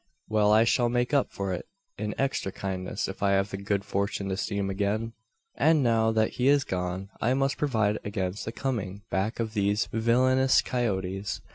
Well, I shall make up for it in extra kindness if I have the good fortune to see him again. "And now, that he is gone, I must provide against the coming back of these villainous coyotes.